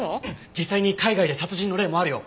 実際に海外で殺人の例もあるよ。